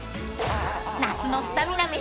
［夏のスタミナ飯］